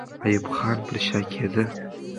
ایوب خان پر شا کېده.